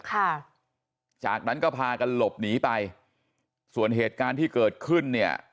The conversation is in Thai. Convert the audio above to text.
ค่ะจากนั้นก็พากันหลบหนีไปส่วนเหตุการณ์ที่เกิดขึ้นเนี่ย